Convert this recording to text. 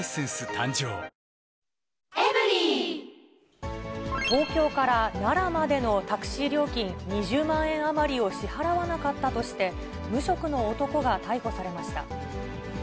誕生東京から奈良までのタクシー料金２０万円余りを支払わなかったとして、無職の男が逮捕されました。